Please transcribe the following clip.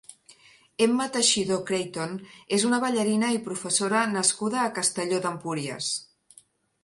Emma Teixidor Creighton és una ballarina i professora nascuda a Castelló d'Empúries.